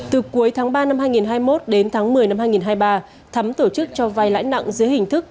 từ cuối tháng ba năm hai nghìn hai mươi một đến tháng một mươi năm hai nghìn hai mươi ba thắm tổ chức cho vai lãi nặng dưới hình thức